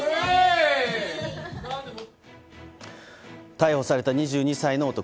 逮捕された２２歳の男。